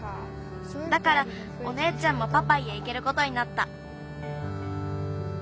だからおねえちゃんもパパイへいけることになった。